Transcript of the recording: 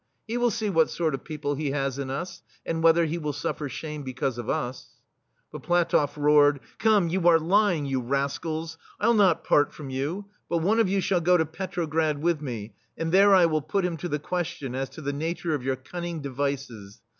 He will see what sort of people he has in us, and whether he will suffer shame because of us/* But Platoff roared :" Come, you are lying, you rascals! I'll not part from you, but one of you shall go to Petro grad with me, and there I will put him to the question as to the nature of your cunning devices."